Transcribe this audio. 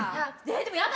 でも、いやだ！